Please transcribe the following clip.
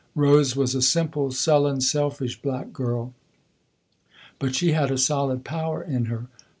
Rose was a simple, sullen, selfish, black girl, but she had a solid power in her.